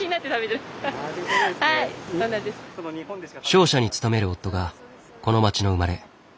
商社に勤める夫がこの町の生まれ。